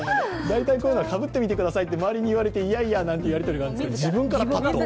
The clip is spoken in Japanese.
大体こういうのはかぶってみてくださいと周りに言われていやいやなんてやりとりがあるんですけど、自分からパッと。